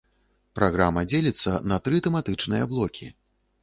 Праграма дзеліцца на тры тэматычныя блокі.